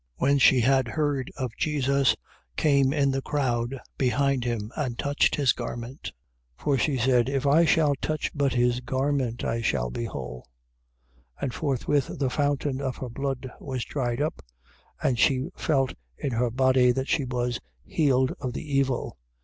When she had heard of Jesus, came in the crowd behind him, and touched his garment. 5:28. For she said: If I shall touch but his garment, I shall be whole. 5:29. And forthwith the fountain of her blood was dried up, and she felt in her body that she was healed of the evil.